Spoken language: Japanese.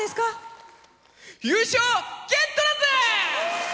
優勝、ゲットだぜ！